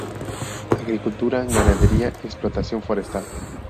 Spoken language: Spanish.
Agricultura, ganadería, explotación forestal.